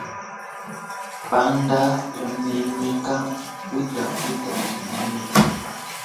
Panda unemeka buta buta bunemeka mpata.